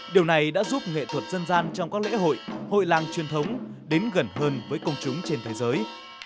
điều này đã giúp nghệ thuật dân gian trong các lễ hội hội làng truyền thống đến gần hơn với công chúng trên thế giới